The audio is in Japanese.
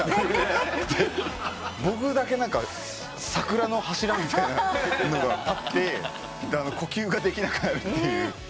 僕だけ桜の柱みたいのが立って呼吸ができなくなるっていう。